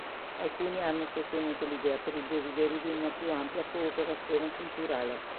Alcuni hanno sostenuto l'idea per il desiderio di una più ampia cooperazione culturale.